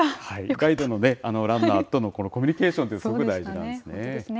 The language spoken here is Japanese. ガイドのランナーとの、コミュニケーションがすごく大事なん本当ですね。